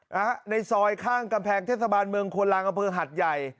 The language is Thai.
ในซอยข้างกำแพงเทศบาลเมืองควนลังอำเภอหัดใหญ่